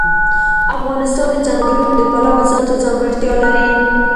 افغانستان د ځنګلونو د پلوه ځانته ځانګړتیا لري.